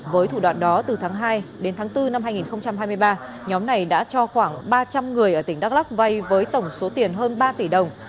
với thủ đoạn đó từ tháng hai đến tháng bốn năm hai nghìn hai mươi ba nhóm này đã cho khoảng ba trăm linh người ở tỉnh đắk lắc vay với tổng số tiền hơn ba tỷ đồng